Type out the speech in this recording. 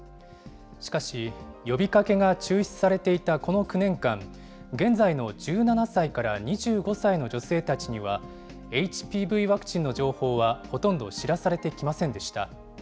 しかし、呼びかけが中止されていたこの９年間、現在の１７歳から２５歳の女性たちには、ＨＰＶワクチンの情報はほとんど知らされてきませんでした。